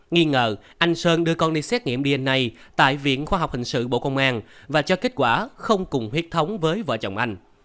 nghi ngờ anh sơn đưa con đi xét nghiệm bn tại viện khoa học hình sự bộ công an và cho kết quả không cùng huyết thống với vợ chồng anh